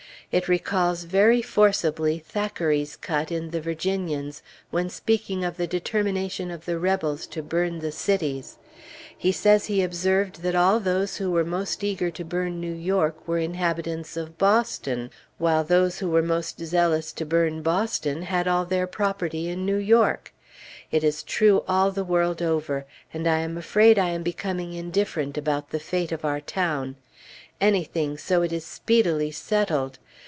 It recalls very forcibly Thackeray's cut in "The Virginians," when speaking of the determination of the Rebels to burn the cities: he says he observed that all those who were most eager to burn New York were inhabitants of Boston; while those who were most zealous to burn Boston had all their property in New York. It is true all the world over. And I am afraid I am becoming indifferent about the fate of our town. Anything, so it is speedily settled!